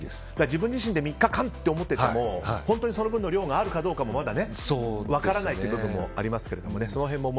自分自身で３日間と思っていても本当にその分の量があるかもまだ分からない部分もありますけれどもね。